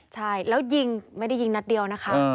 ใช่แล้วยิงไม่ได้ยิงนัดเดียวนะคะ